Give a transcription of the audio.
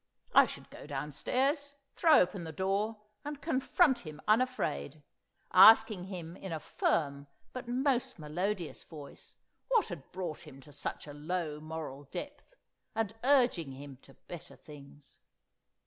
I should go downstairs, throw open the door and confront him unafraid, asking him in a firm but most melodious voice what had brought him to such a low moral depth, and urging him to better things.